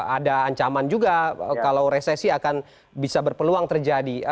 ada ancaman juga kalau resesi akan bisa berpeluang terjadi